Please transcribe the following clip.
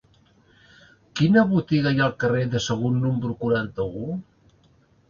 Quina botiga hi ha al carrer de Sagunt número quaranta-u?